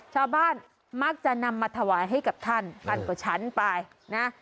ชาวบ้านมักจะนำมาถวายให้กับท่านท่านก็ฉันไปนะ